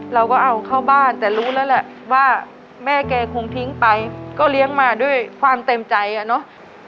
เราก็เอาเข้าบ้านแต่รู้แล้วแหละว่าแม่แกคงทิ้งไปก็เลี้ยงมาด้วยความเต็มใจอะเนาะ